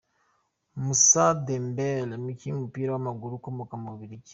Mousa Dembélé, umukinnyi w’umupira w’amaguru ukomoka mu Bubiligi.